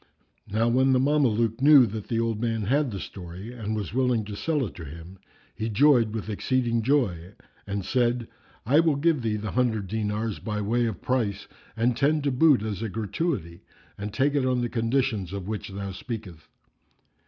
Now when the Mameluke knew that the old man had the story and was willing to sell it to him, he joyed with exceeding joy and said, "I will give thee the hundred dinars by way of price and ten to boot as a gratuity and take it on the conditions of which thou speakest."